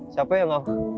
siapa yang mau